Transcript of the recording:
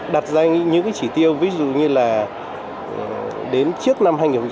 đặt ra những chỉ tiêu ví dụ như là đến trước năm hai nghìn hai mươi